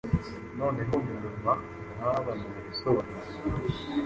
Noneho nyuma nkaba nabisobanura.